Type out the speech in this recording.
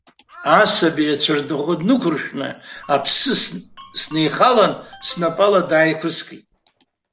Асаби ацәардаӷәы днықәыршәны аԥсы снеихалан, снапала дааиқәыскит.